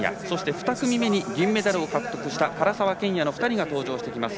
２組目に銀メダルを獲得した唐澤剣也の２人が登場します。